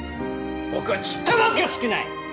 僕はちっともおかしくない！